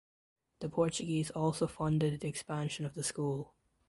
The Portuguese also funded the expansion of the school.